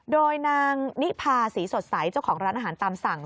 โดยนางนิพาศรีสดใสเจ้าของร้านอาหารตามสั่ง